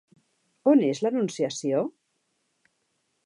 On és l'Anunciació?